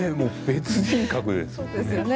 別人格ですよね。